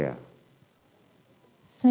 apa izin untuk pergi ke area sakit